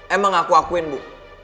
emang aku akuin bu